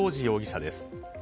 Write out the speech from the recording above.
容疑者です。